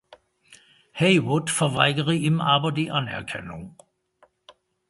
Heywood verweigere ihm aber die Anerkennung.